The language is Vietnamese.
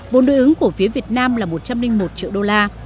vốn đối ứng của phía việt nam là một trăm linh một triệu đô la